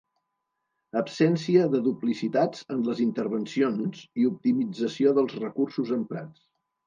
Absència de duplicitats en les intervencions i optimització dels recursos emprats.